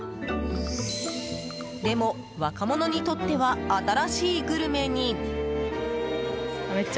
でも、若者にとっては新しいグルメに。